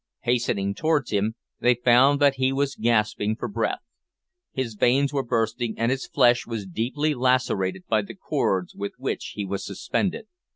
Hastening towards him, they found that he was gasping for breath. His veins were bursting, and his flesh was deeply lacerated by the cords with which he was suspended.